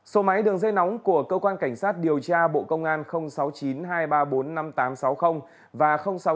số máy đường dây nóng của cơ quan cảnh sát điều tra bộ công an sáu mươi chín hai trăm ba mươi bốn năm nghìn tám trăm sáu mươi và sáu mươi chín hai trăm ba mươi một một nghìn sáu trăm bảy